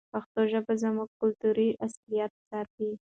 پښتو ژبه زموږ کلتوري اصالت ساتي.